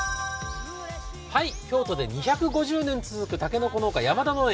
京都で２５０年続くたけのこ農家、山田農園